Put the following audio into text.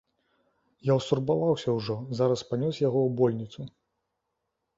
Я ўстурбаваўся ўжо, зараз панёс яго ў больніцу.